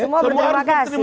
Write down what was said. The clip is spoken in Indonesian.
semua berterima kasih